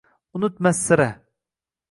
Unutmas sira.